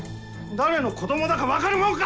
誰の子どもだか分かるもんか！